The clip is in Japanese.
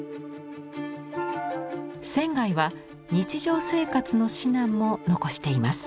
仙は日常生活の指南も残しています。